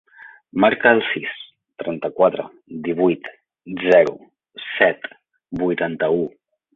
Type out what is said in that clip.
Marca el sis, trenta-quatre, divuit, zero, set, vuitanta-u.